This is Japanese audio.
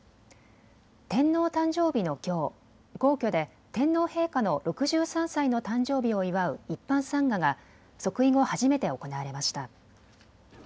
天皇誕生日のきょう、皇居で天皇陛下の６３歳の誕生日を祝う一般参賀が即位後、初めて行われました。